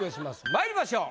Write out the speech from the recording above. まいりましょう。